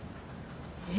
え？